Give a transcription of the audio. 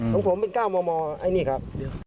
ของผมเป็น๙มมไอ้นี่ครับ